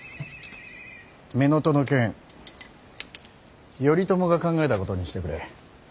乳母父の件頼朝が考えたことにしてくれ。